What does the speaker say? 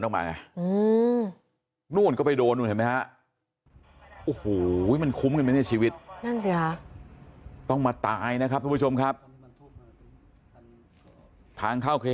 ออกมานู่นก็ไปโดนมันคุ้มในชีวิตต้องมาตายนะครับทางเข้า